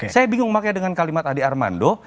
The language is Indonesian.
saya bingung makanya dengan kalimat adi armando